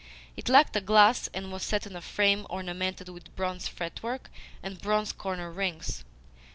It lacked a glass, and was set in a frame ornamented with bronze fretwork and bronze corner rings.